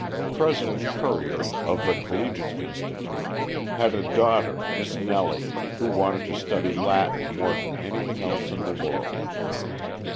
President Currier, of the collegiate institute, had a daughter, Miss Nellie, who wanted to study Latin more than anything else in the world.